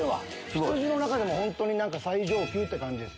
羊の中でも最上級って感じです。